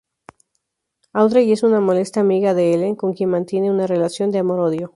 Audrey es una molesta amiga de Ellen, con quien mantiene una relación de amor-odio.